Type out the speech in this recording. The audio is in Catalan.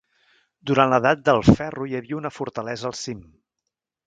Durant l'Edat del ferro hi havia una fortalesa al cim.